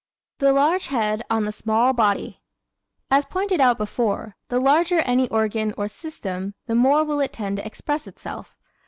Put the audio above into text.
The Large Head on the Small Body ¶ As pointed out before, the larger any organ or system the more will it tend to express itself.